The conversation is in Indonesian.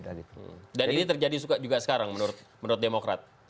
dan ini terjadi juga sekarang menurut demokrat